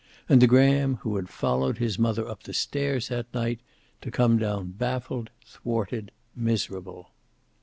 And the Graham who had followed his mother up the stairs that night, to come down baffled, thwarted, miserable.